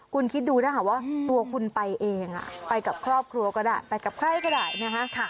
คุณคิดดูถ้าหากว่าตัวคุณไปเองไปกับครอบครัวก็ได้ไปกับใครก็ได้นะคะ